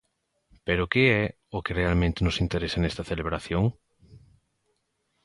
Pero que é o que realmente nos interesa nesta celebración?